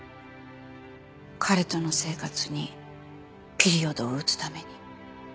彼との生活にピリオドを打つために。